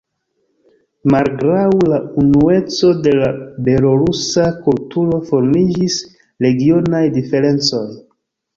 Malgraŭ la unueco de la belorusa kulturo formiĝis regionaj diferencoj.